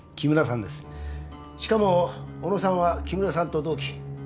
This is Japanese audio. しかも小野さんは木村さんと同期。